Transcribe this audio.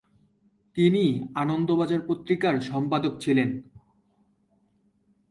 তিনি আনন্দবাজার পত্রিকার সম্পাদক ছিলেন।